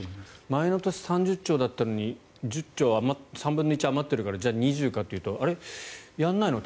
前の年、３０兆だったのに３分の１余ってるからじゃあ２０かというとやらないの？